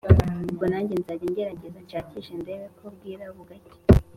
ubwo nanjye nzanjya ngerageza nshakishe ndebe ko bwira bugacya!